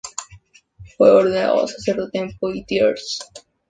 Fue ordenado sacerdote en Poitiers.